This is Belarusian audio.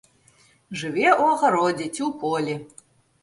Жыве ў агародзе ці ў полі.